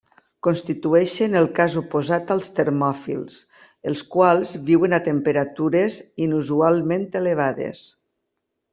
Constitueixen el cas oposat als termòfils, els quals viuen a temperatures inusual ment elevades.